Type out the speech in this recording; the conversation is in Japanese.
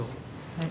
はい。